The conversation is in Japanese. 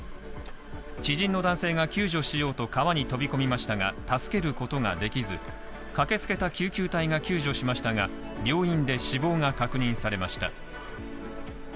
知人の男性が救助しようと川に飛び込みましたが、助けることができず、駆けつけた救急隊が救助しましたが、病院で死亡が確認されました。